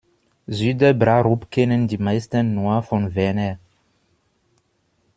Süderbrarup kennen die meisten nur von Werner.